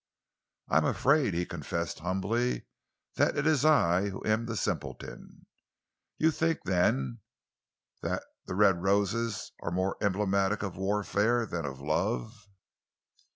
"I am afraid," he confessed humbly, "that it is I who am the simpleton. You think, then, that the red roses are more emblematic of warfare than of love?"